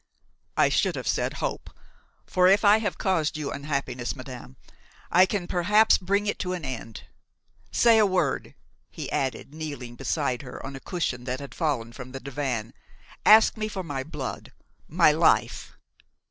"I should have said hope; for, if I have caused you unhappiness, madame, I can perhaps bring it to an end. Say a word," he added, kneeling beside her on a cushion that had fallen from the divan, "ask me for my blood, my life!"